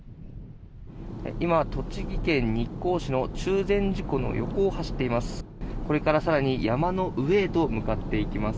今、栃木県日光市の中禅寺湖の横を走っています。